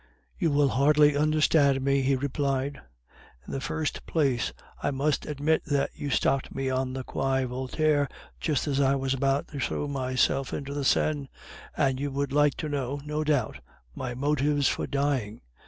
"You will hardly understand me," he replied. "In the first place, I must admit that you stopped me on the Quai Voltaire just as I was about to throw myself into the Seine, and you would like to know, no doubt, my motives for dying.